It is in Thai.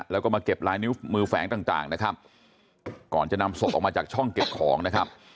แล้วก็มาเก็บลายนิ้วมือแฝงต่างนะครับก่อนจะนำศพออกมาจากช่องเก็บของนะครับ